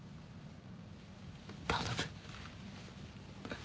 頼む。